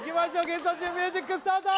ゲストチームミュージックスタート